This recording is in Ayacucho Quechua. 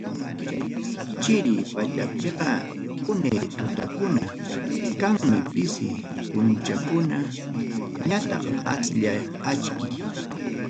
Chiri pachapiqa unay tutakuna kanmi, pisi punchawkuna ñataq aslla achkiy.